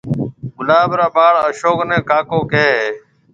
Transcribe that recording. گلاب را ٻاݪ اشوڪ نيَ ڪاڪو ڪيَ ھيََََ